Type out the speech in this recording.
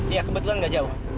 iya kebetulan nggak jauh